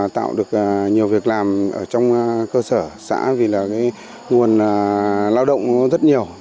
tạo được nhiều việc làm ở trong cơ sở xã vì là nguồn lao động rất nhiều